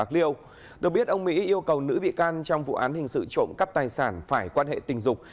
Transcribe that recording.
được biết ông mỹ yêu cầu nữ bị can trong vụ án hình sự trộm cắp tài sản phải quan hệ tình dục